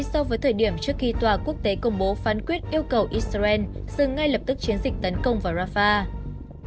so với thời điểm trước khi tòa quốc tế công bố phán quyết yêu cầu israel dừng ngay lập tức chiến dịch tấn công vào rafah